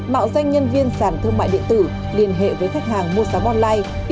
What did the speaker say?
mạo danh nhân viên sản thương mại điện tử liên hệ với khách hàng mua sắm online